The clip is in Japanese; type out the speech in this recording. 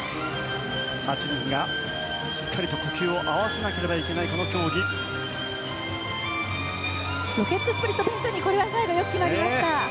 ８人が、しっかりと呼吸を合わせなければいけないロケットスプリット最後、よく決まりました。